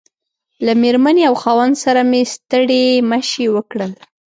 له مېرمنې او خاوند سره مې ستړي مشي وکړل.